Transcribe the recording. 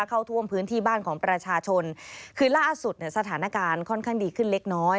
ขึ้นล่าสุดสถานการณ์ค่อนข้างดีขึ้นเล็กน้อย